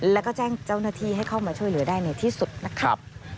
แล้วก็แจ้งเจ้าหน้าที่ให้เข้ามาช่วยเหลือได้ในที่สุดนะครับ